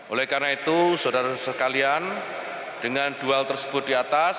oleh karena itu saudara saudara sekalian dengan dua hal tersebut di atas